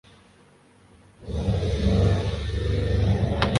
Sinhala